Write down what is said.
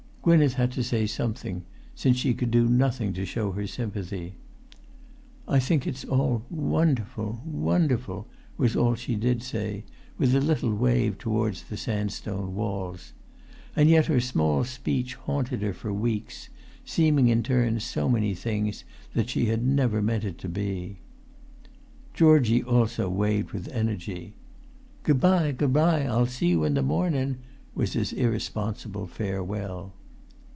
Gwynneth had to say something, since she could do nothing, to show her sympathy. "I think it's all wonderful—wonderful!" was all she did say, with a little wave towards the sandstone walls. And yet her small speech haunted her for weeks, seeming in turns so many things that she had never meant it to be. Georgie also waved with energy. "Good bye, good bye, I'll see you in the mornin'!" was his irresponsible farewell.